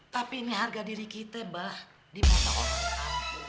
tapi ini harga diri kita bah di mata orang